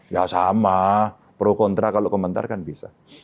ya sama pro kontra kalau komentar kan bisa